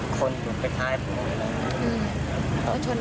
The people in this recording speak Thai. อ๋อคนอยู่ใกล้สายปน